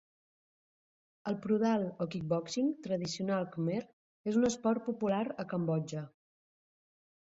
El prodal o kickboxing tradicional khmer és un esport popular a Cambodja.